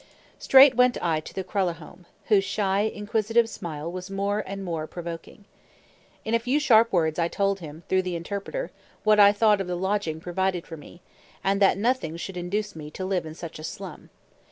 Straight went I to the Kralahome, whose shy, inquisitive smile was more and more provoking. In a few sharp words I told him, through the interpreter, what I thought of the lodging provided for me, and that nothing should induce me to live in such a slum.